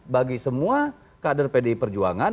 bagi semua kader pdi perjuangan